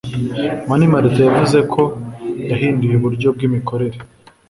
mani martin yavuze ko yahinduye uburyo bw’imikorere